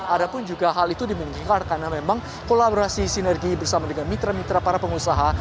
ada pun juga hal itu dimungkinkan karena memang kolaborasi sinergi bersama dengan mitra mitra para pengusaha